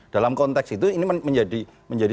dalam konteks itu ini menjadi